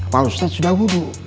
pak ustad sudah wubu